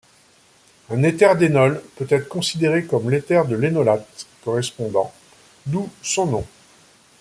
Un éther d'énol peut être considéré comme l'éther de l'énolate correspondant, d'où son nom.